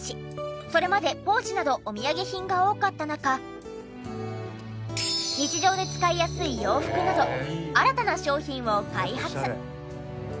それまでポーチなどお土産品が多かった中日常で使いやすい洋服など新たな商品を開発。